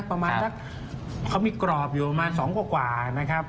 ประมาณสักเขามีกรอบอยู่ประมาณ๒กว่านะครับ